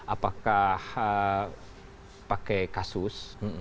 apakah pakai kasus